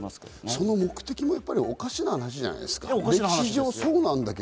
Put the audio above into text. その目的もおかしな話じゃないですか。